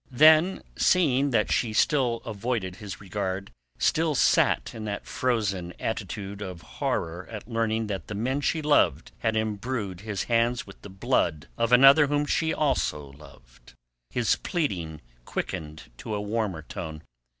Then seeing that she still avoided his regard, still sat in that frozen attitude of horror at learning that the man she loved had imbrued his hands with the blood of another whom she also loved, his pleading quickened to a warmer note.